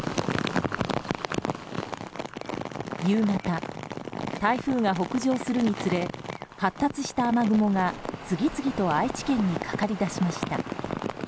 夕方、台風が北上するにつれ発達した雨雲が次々と愛知県にかかりだしました。